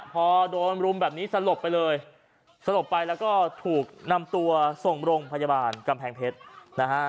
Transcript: พอโดนรุมแบบนี้สลบไปเลยสลบไปแล้วก็ถูกนำตัวส่งโรงพยาบาลกำแพงเพชรนะฮะ